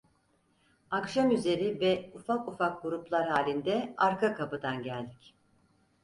Akşamüzeri ve ufak ufak gruplar halinde arka kapıdan geldik.